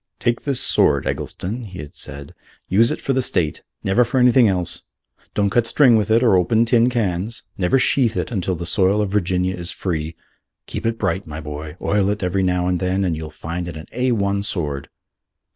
"Take this sword, Eggleston," he had said, "use it for the State; never for anything else: don't cut string with it or open tin cans. Never sheathe it till the soil of Virginia is free. Keep it bright, my boy: oil it every now and then, and you'll find it an A 1 sword."